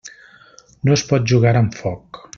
No es pot jugar amb foc.